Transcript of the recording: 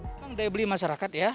memang daya beli masyarakat ya